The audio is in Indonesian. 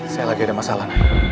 saya lagi ada masalah